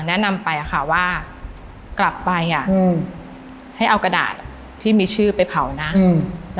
แนะนำไปอ่ะค่ะว่ากลับไปอ่ะอืมให้เอากระดาษอ่ะที่มีชื่อไปเผานะอืม